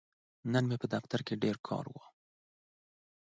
ځماپه دفترکی نن کار ډیرزیات و.